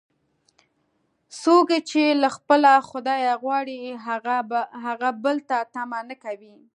څوک یې چې له خپله خدایه غواړي، هغه بل ته طمعه نه کوي.